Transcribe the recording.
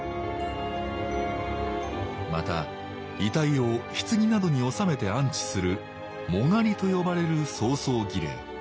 また遺体を棺などに納めて安置する「殯」と呼ばれる葬送儀礼。